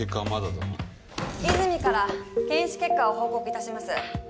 和泉から検視結果を報告いたします。